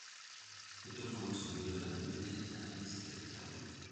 Otro famoso amigo de la familia era Aleister Crowley.